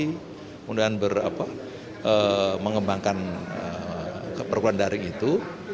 kemudian mengembangkan perkumpulan daring itu